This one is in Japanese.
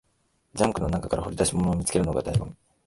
ジャンクの中から掘り出し物を見つけるのが醍醐味